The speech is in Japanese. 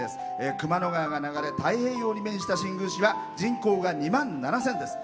熊野川に面した新宮市は人口が２万７０００です。